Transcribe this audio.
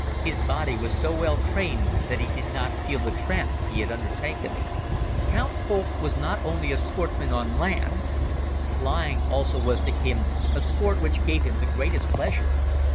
His body was so well trained that he did not feel the tramp he had undertaken. Count Holck was not only a sportsman on land. Flying also was to him a sport which gave him the greatest pleasure.